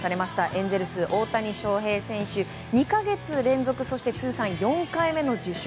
エンゼルス、大谷翔平選手２か月連続そして通算４回目の受賞。